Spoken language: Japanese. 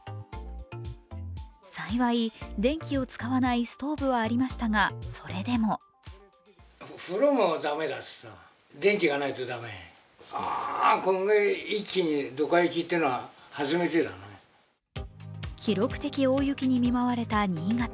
幸い電気を使わないストーブはありましたがそれでも記録的大雪に見舞われた新潟。